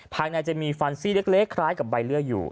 ภายในจะมีฟันซี่เล็กคล้ายกับใบเลือดอยู่